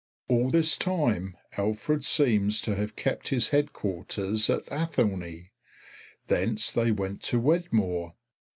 All this time Alfred seems to have kept his headquarters at Athelney. Thence they went to Wedmore.